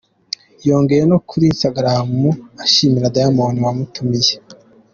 Yongeye no kuri Instagram ashimira Diamond wamutumiye.